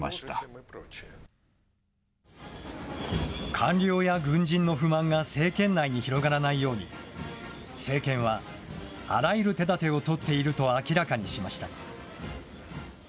官僚や軍人の不満が政権内に広がらないように、政権はあらゆる手だてを取っていると明らかにしました。